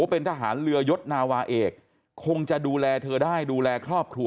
เป็นทหารเรือยศนาวาเอกคงจะดูแลเธอได้ดูแลครอบครัว